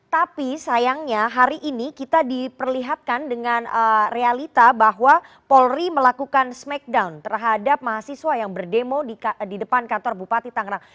tapi sayangnya hari ini kita diperlihatkan dengan realita bahwa polri melakukan smackdown terhadap mahasiswa yang berdemo di depan kantor bupati tangerang